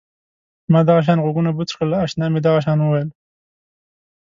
ما دغه شان غوږونه بوڅ کړل اشنا مې دغه شان وویل.